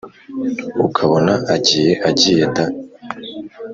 ukabona agiye agiye da